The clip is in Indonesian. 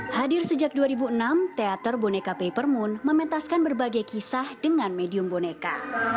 hadir sejak dua ribu enam teater boneka papermoon mementaskan berbagai kisah dengan medium boneka